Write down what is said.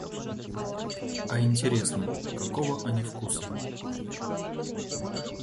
А интересно, какого они вкуса?